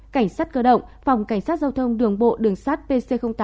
cảnh sát cơ động phòng cảnh sát giao thông đường bộ đường sát pc tám